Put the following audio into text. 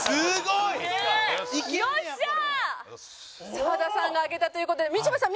澤田さんが上げたという事でみちょぱさん